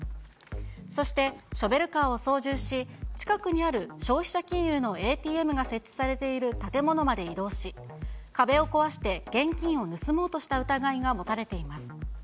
そして、ショベルカーを操縦し、近くにある消費者金融のＡＴＭが設置されている建物まで移動し、壁を壊して現金を盗もうとした疑いが持たれています。